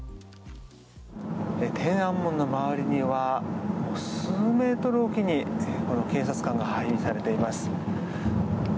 天安門の周りには数メートルおきに警察官が配備されています。